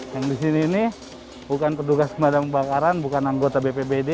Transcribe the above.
yang di sini ini bukan petugas pemadam kebakaran bukan anggota bpbd